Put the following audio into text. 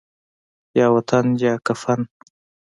یا وطن یا کفن